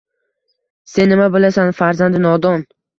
«Sen nima bilasan, Farzandi nodon